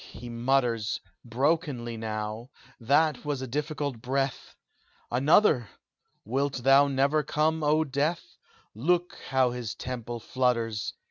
he mutters Brokenly now that was a difficult breath Another? Wilt thou never come, oh Death! Look! how his temple flutters!